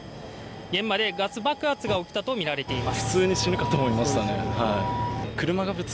現場でガス爆発が起きたとみられています。